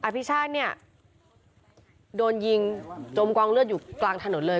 พิชาติเนี่ยโดนยิงจมกองเลือดอยู่กลางถนนเลย